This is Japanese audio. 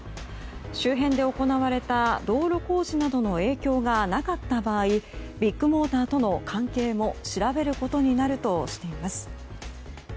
周辺で行われた道路工事などの影響がなかった場合ビッグモーターとの関係も調べることになるとしています。